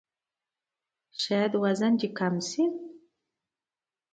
شاید وزن دې کم شي!